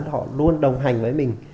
họ luôn đồng hành với mình